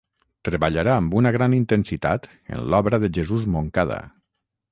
Treballarà amb una gran intensitat en l'obra de Jesús Moncada.